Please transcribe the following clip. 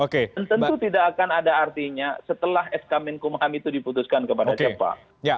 tentu tidak akan ada artinya setelah sk menkumham itu diputuskan kepada siapa